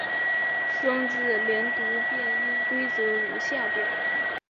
双字连读变音规则如下表。